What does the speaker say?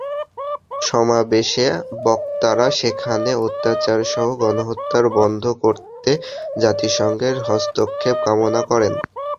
সমাবেশে বক্তারা সেখানে অত্যাচারসহ গণহত্যা বন্ধ করতে জাতিসংঘের হস্তক্ষেপ কামনা করেন।